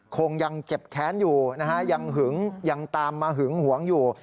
คงยังเจ็บแค้นอยู่นะฮะยังหึงยังตามมาหึงหวงอยู่